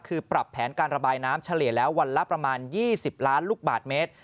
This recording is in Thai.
คือปรับแผนการระบายน้ำเฉลี่ยแล้ววันละประมาณ๒๐ล้านลูกบาทเมตร